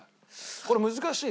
これ難しい？